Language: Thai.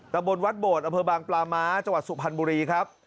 ตะบนวัดโบดอเภอบางปลาม้าจังหวัดสุพรรณบุรีครับ